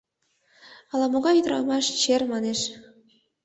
— Ала-могай ӱдырамаш чер, манеш...